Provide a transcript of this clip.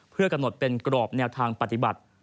เพื่อกำหนดเป็นกรอบแนวทางปฏิบัติ